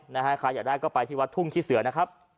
นะฮะใครอยากได้ก็ไปที่วัดทุ่งขี้เสือนะครับ